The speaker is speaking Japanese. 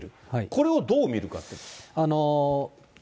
これをどう見るか。